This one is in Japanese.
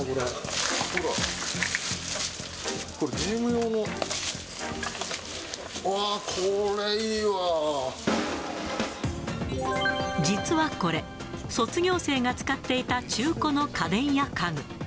これ、ゲーム用の、わー、これ、実はこれ、卒業生が使っていた中古の家電や家具。